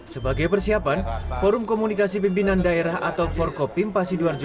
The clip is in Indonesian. sebagai persiapan forum komunikasi pimpinan daerah atau forkopimpa sidoarjo